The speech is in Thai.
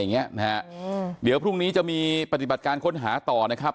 อืมเดี๋ยวพรุ่งนี้จะมีปฏิบัติการค้นหาต่อนะครับ